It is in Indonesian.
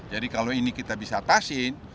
kalau ini kita bisa atasin